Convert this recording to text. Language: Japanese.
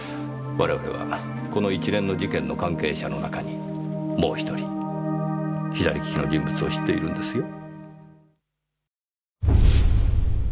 我々はこの一連の事件の関係者の中にもう１人左利きの人物を知っているんですよ。